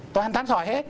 toàn tán sỏi hết